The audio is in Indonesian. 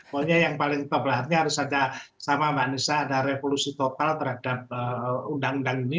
pokoknya yang paling kebelahannya harus ada sama mbak nissa ada revolusi total terhadap undang undang ini